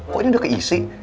kok ini udah keisi